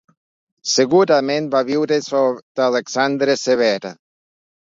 Segurament va viure sota Alexandre Sever.